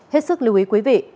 hết sức lưu ý quý vị